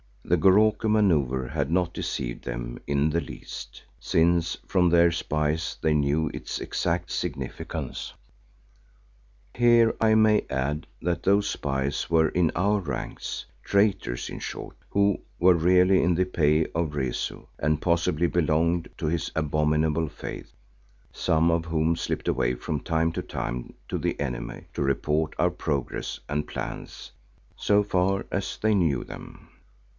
The Goroko manoeuvre had not deceived them in the least, since from their spies they knew its exact significance. Here, I may add that those spies were in our own ranks, traitors, in short, who were really in the pay of Rezu and possibly belonged to his abominable faith, some of whom slipped away from time to time to the enemy to report our progress and plans, so far as they knew them.